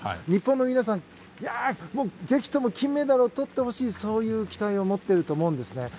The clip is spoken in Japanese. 日本の皆さんもぜひ金メダルをとってほしいそういう期待があると思うんですね。